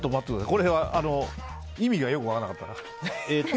これは意味がよく分からなかった。